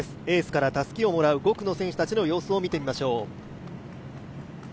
エースからたすきをもらう５区の選手たちの様子を見てみましょう。